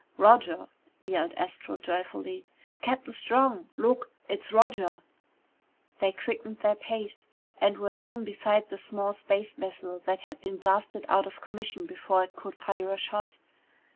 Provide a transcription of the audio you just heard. "Roger!" yelled Astro joyfully. "Captain Strong, look! It's Roger!" They quickened their pace and were soon beside the small space vessel that had been blasted out of commission before it could fire a shot.